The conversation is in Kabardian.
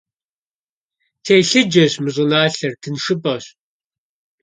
Телъыджэщ мы щӀыналъэр, тыншыпӀэщ.